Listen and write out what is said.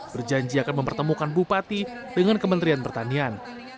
berjanji akan mempertemukan bupati dengan kementerian pertanian